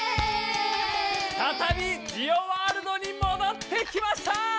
ふたたびジオワールドにもどってきました！